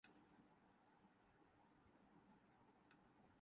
اسی لیے انہیں لبرل ہونے کا طعنہ بھی دیا جاتا ہے۔